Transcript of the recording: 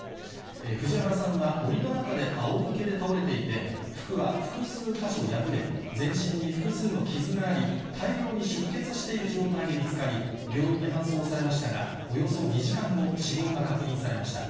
藤原さんはおりの中であおむけで倒れていて、服は複数箇所破れ、全身に複数の傷があり、大量に出血している状態で見つかり、病院に搬送されましたが、およそ２時間後、死亡が確認されました。